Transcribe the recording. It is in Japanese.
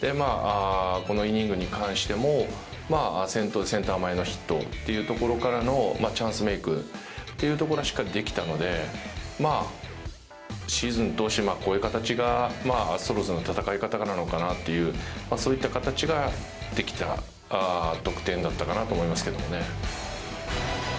このイニングに関しても、先頭センター前のヒットっていうところからのチャンスメークというところがしっかりできたのでシーズン通してこういう戦い方がアストロズの戦い方なのかなとそういった形ができた得点だったかなと思いますけどね。